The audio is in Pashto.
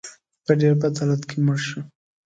په ډېر بد حالت کې مړ شو.